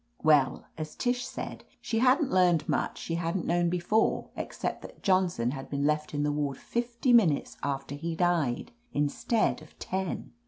Well, as Tish said, she hadn't learned much she hadn't known before, except that Johnson had been left in the ward fifty minutes after he died, instead of ten.